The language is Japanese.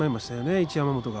一山本は。